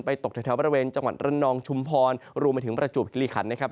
ตกแถวบริเวณจังหวัดระนองชุมพรรวมไปถึงประจวบคิริขันนะครับ